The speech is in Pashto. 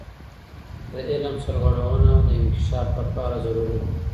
د علم سرغړونه د انکشاف لپاره ضروري ده.